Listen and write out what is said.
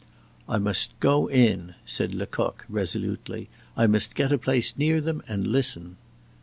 "I must go in," said Lecoq, resolutely. "I must get a place near them, and listen."